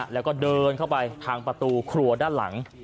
แล้วก็เดินเข้าไปทางประตูครัวด้านหลัง